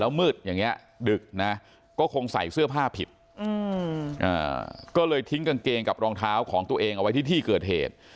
มืดอย่างนี้ดึกนะก็คงใส่เสื้อผ้าผิดก็เลยทิ้งกางเกงกับรองเท้าของตัวเองเอาไว้ที่ที่เกิดเหตุ